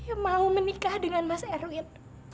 saya mau menikah dengan mas erwin